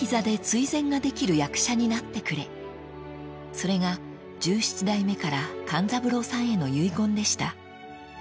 ［それが十七代目から勘三郎さんへの遺言でした］